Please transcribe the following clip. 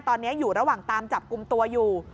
ตอนนี้อยู่ระหว่างตามจับกลุ่มตัวอยู่